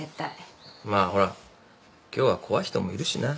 まあほら今日は怖い人もいるしな。